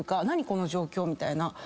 何⁉この状況みたいな。